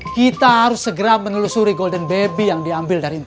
kita harus segera menelusuri golden baby yang diambil dari indonesia